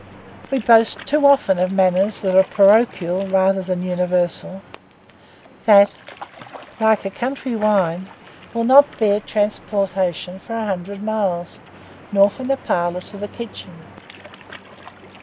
We boast too often manners that are parochial rather than universal; that, like a country wine, will not bear transportation for a hundred miles, nor from the parlour to the kitchen.